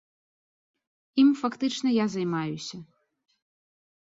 Ім, фактычна, я займаюся.